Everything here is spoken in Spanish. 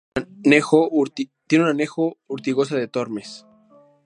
Tiene un anejo: Ortigosa de Tormes.